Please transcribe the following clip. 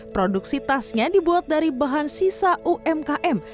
produksi tasnya dibuat dari bahan sisa umkm